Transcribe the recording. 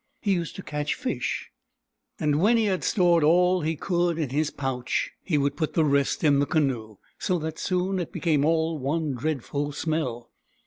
He used to catch fish, and when he had stored all he could in his pouch he would put the rest in the canoe, so that soon it became all one dreadful smell.